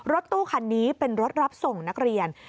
รถตู้คันนี้เป็นรถรับส่งนักเรียน